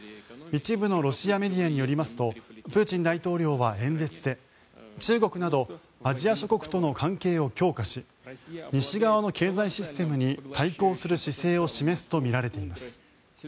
一部のロシアメディアによりますとプーチン大統領は演説で中国などアジア諸国との関係を強化し西側の経済システムに対抗する姿勢を示すとみられています。